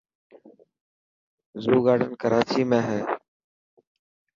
زو گارڊن ڪراچي ۾ هي.